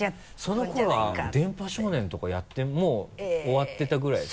その頃は「電波少年」とかやってもう終わってたぐらいですか？